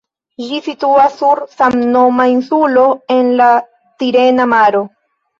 Ĝi situas sur samnoma insulo en la Tirena Maro.